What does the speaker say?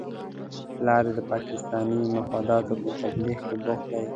پلار دې د پاکستاني مفاداتو په تبلیغ کې بوخت دی؟